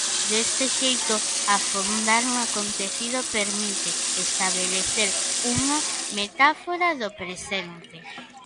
Deste xeito, afondar no acontecido permite estabelecer unha metáfora do presente.